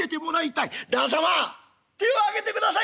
「旦様手を上げてくださいな。